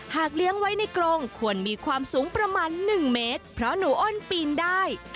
เลี้ยงไว้ในกรงควรมีความสูงประมาณ๑เมตรเพราะหนูอ้นปีนได้